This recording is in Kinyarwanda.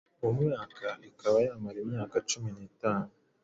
mu mwaka ikaba yamara imyaka cumi nitanu